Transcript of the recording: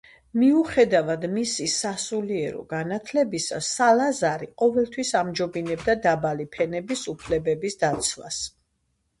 მიუხედავად მისი სასულიერო განათლებისა სალაზარი ყოველთვის ამჯობინებდა დაბალი ფენების უფლებების დაცვას.